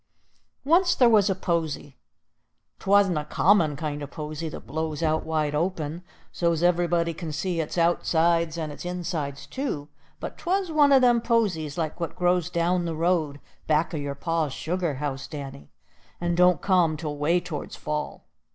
Once there was a posy. 'Twa'n't a common kind o' posy, that blows out wide open, so's everybody can see its outsides and its insides too. But 'twas one of them posies like what grows down the road, back o' your pa's sugar house, Danny, and don't come till way towards fall.